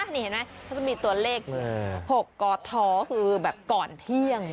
นี่เห็นไหมเขาจะมีตัวเลข๖กทคือแบบก่อนเที่ยง